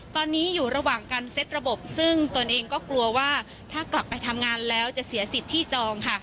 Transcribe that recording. ตอนนี้อยู่ระหว่างการเซ็ตระบบซึ่งตนเองก็กลัวว่าถ้ากลับไปทำงานแล้วจะเสียสิทธิ์ที่จองค่ะ